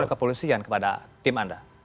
kepolisian kepada tim anda